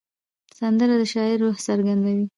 سندره د شاعر روح څرګندوي